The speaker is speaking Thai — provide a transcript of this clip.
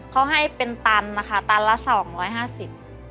เขาให้เป็นตันนะคะตันละ๒๕๐บาท